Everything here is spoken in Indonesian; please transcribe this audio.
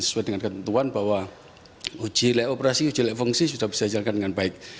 sesuai dengan ketentuan bahwa uji lelai operasi uji lelai fungsi sudah berjalan dengan baik